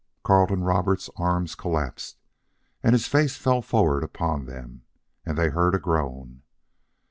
Carleton Roberts' arms collapsed and his face fell forward upon them, and they heard a groan.